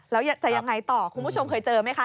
แล้วจะยังไงต่อคุณผู้ชมเคยเจอไหมคะ